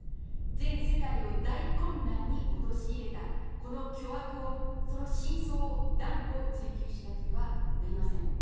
全世界を大混乱に陥れた、この巨悪をその真相を断固追及しなくてはなりません。